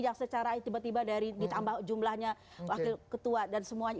yang secara tiba tiba dari ditambah jumlahnya wakil ketua dan semuanya